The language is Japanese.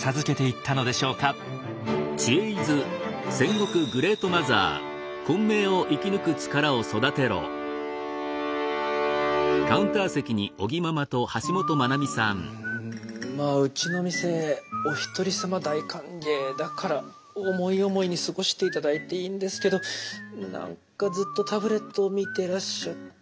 うんまあうちの店お一人様大歓迎だから思い思いに過ごして頂いていいんですけど何かずっとタブレットを見てらっしゃって。